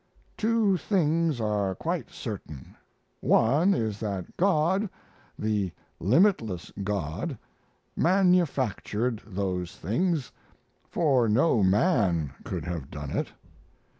"Two things are quite certain: one is that God, the limitless God, manufactured those things, for no man could have done it.